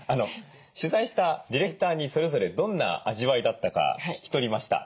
取材したディレクターにそれぞれどんな味わいだったか聞き取りました。